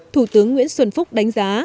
thủ tướng nguyễn xuân phúc đánh giá